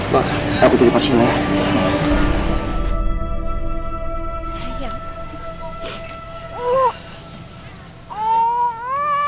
ma aku tarik paksimu ya